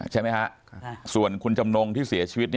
ใช่ไหมฮะส่วนคุณจำนงที่เสียชีวิต